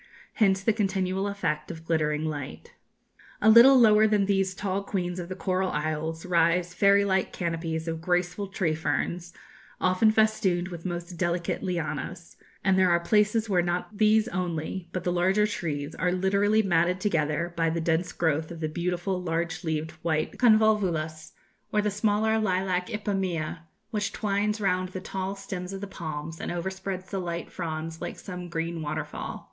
Hence the continual effect of glittering light. "A little lower than these tall queens of the coral isles rise fairy like canopies of graceful tree ferns, often festooned with most delicate lianas; and there are places where not these only, but the larger trees, are literally matted together by the dense growth of the beautiful large leaved white convolvulus, or the smaller lilac ipomaæ, which twines round the tall stems of the palms, and overspreads the light fronds like some green waterfall.